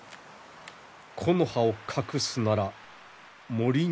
木の葉を隠すなら森に。